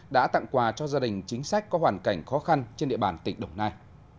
đã tặng quà cho gia đình chính sách có hoàn cảnh khó khăn trên địa bàn tỉnh đồng nai